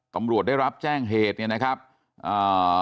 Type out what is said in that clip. ตำรวจได้รับแจ้งเหตุเนี่ยนะครับอ่า